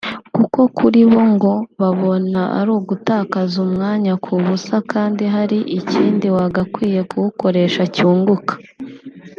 kuko kuri bo ngo babona ari ugutakaza umwanya ku busa kandi hari ikindi wagakwiye kuwukoresha cyunguka